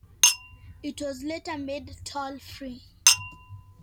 It was later made toll free.